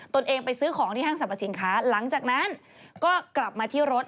ตัวเองไปซื้อของที่ห้างสรรพสินค้าหลังจากนั้นก็กลับมาที่รถ